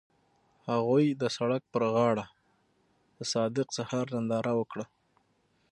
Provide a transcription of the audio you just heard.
هغوی د سړک پر غاړه د صادق سهار ننداره وکړه.